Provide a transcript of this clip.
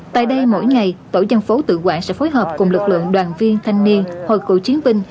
tại đây mỗi ngày tổ dân phố tự quản sẽ phối hợp cùng lực lượng đoàn viên thanh niên hội cựu chiến binh